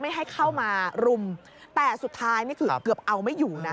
ให้เข้ามารุมแต่สุดท้ายนี่คือเกือบเอาไม่อยู่นะ